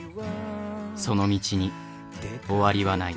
その道に終わりはない。